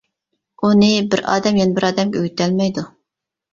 ئۇنى بىر ئادەم يەنە بىر ئادەمگە ئۆگىتەلمەيدۇ.